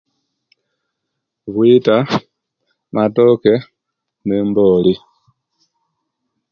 Bwita, matoke ne emboli